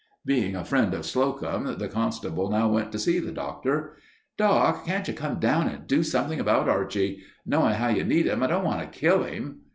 Being a friend of Slocum, the constable now went to see the Doctor. "Doc, can't you come down and do something about Archie? Knowing how you need him, I don't want to kill him...."